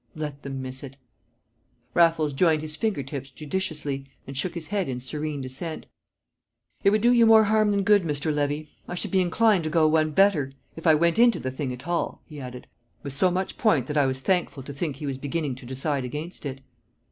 "Let them miss it." Raffles joined his finger tips judicially, and shook his head in serene dissent. "It would do you more harm than good, Mr. Levy. I should be inclined to go one better if I went into the thing at all," he added, with so much point that I was thankful to think he was beginning to decide against it.